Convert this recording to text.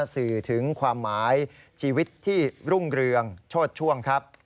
สื่อถึงความหมายชีวิตที่รุ่งเรืองโชดช่วงครับ